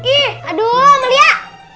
ih aduh melia